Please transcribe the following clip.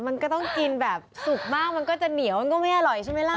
มันก็ต้องกินแบบสุกมากมันก็จะเหนียวมันก็ไม่อร่อยใช่ไหมล่ะ